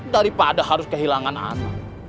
daripada harus kehilangan anak